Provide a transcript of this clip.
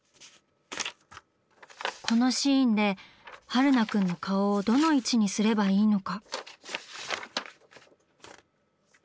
このシーンで榛名くんの顔をどの位置にすればいいのか。